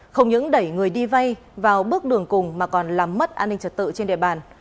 không những đẩy người đi vay vào bước đường cùng mà còn làm mất an ninh trật tự trên địa bàn